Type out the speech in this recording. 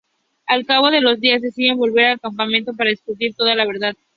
Al cabo de los días deciden volver al campamento para descubrir toda la verdad.